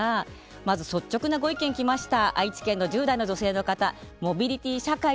まず率直なご意見来ました。